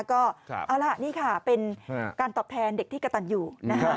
ก็เอาล่ะนี่ค่ะเป็นการตอบแทนเด็กที่กระตันอยู่นะคะ